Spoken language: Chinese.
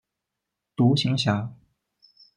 独行侠。